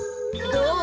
どう？